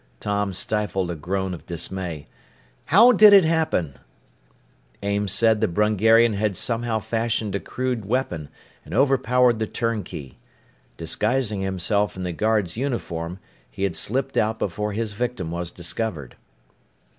Tom stifled a groan of dismay. "How did it happen?" Ames said the Brungarian had somehow fashioned a crude weapon and overpowered the turnkey. Disguising himself in the guard's uniform, he had slipped out before his victim was discovered.